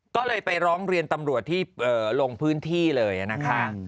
ก็เลยไปร้องเรียนตำรวจที่ลงพื้นที่เลยนะคะ